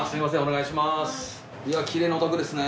いやきれいなお宅ですね。